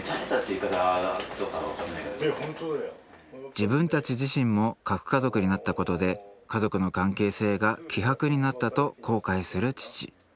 自分たち自身も核家族になったことで家族の関係性が希薄になったと後悔する父。